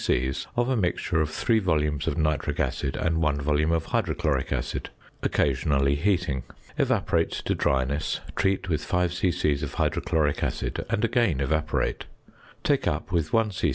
c. of a mixture of 3 volumes of nitric acid and 1 volume of hydrochloric acid, occasionally heating. Evaporate to dryness, treat with 5 c.c. of hydrochloric acid, and again evaporate; take up with 1 c.c.